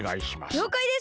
りょうかいです！